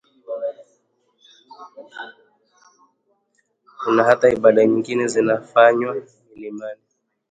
Kuna hata ibada nyengine zinazofanywa milimani